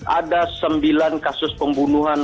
ada sembilan kasus pembunuhan